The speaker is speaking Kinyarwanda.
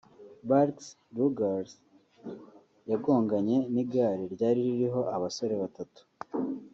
Barks-Ruggles yagonganye n’igare ryari ririho abasore batatu